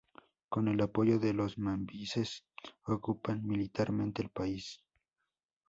Con el apoyo de los mambises ocupan militarmente el país.